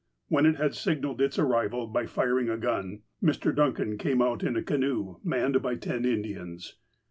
When it had signalled its arrival, by firing a gun, Mr. Duncan came out in a canoe, manned by ten Indians.